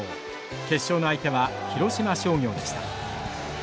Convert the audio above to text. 決勝の相手は広島商業でした。